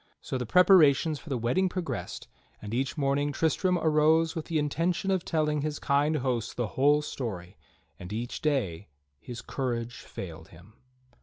So the preparations for the wedding pro gressed; and each morning Tristram arose with the intention of telling his kind hosts the whole story, and each day his courage failed him.